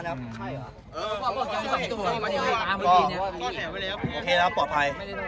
ได้เป้าหมาย